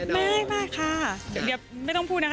ไม่ใช่แน่นอนไม่ค่ะ